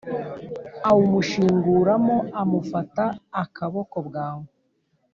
awumushinguramo amufata akaboko bwangu